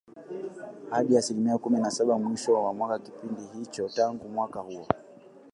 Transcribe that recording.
hadi asilimia kumi na saba mwishoni mwa kipindi hicho Tangu wakati huo